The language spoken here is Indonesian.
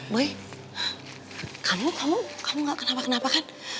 boy kamu kamu gak kenapa kenapa kan